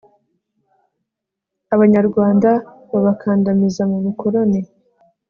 abanyarwanda babakandamiza mu bukoloni